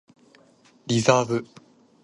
リザーブ